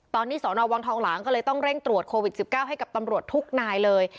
ตอนนี้สอนอวังทองหลางก็เลยต้องเร่งตรวจโควิด๑๙ให้กับตำรวจทุกนายเลย